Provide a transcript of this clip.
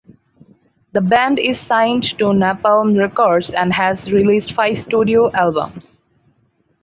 The band is signed to Napalm Records and has released five studio albums.